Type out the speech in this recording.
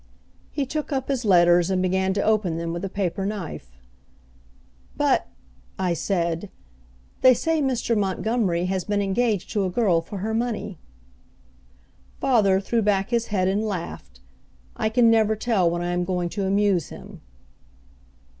He took up his letters and began to open them with a paper knife. "But," I said, "they say Mr. Montgomery has been engaged to a girl for her money." Father threw back his head and laughed I can never tell when I am going to amuse him.